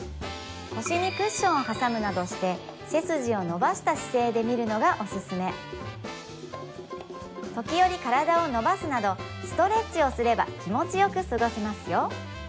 腰にクッションを挟むなどして背筋を伸ばした姿勢で見るのがおすすめ時折体を伸ばすなどストレッチをすれば気持ちよく過ごせますよ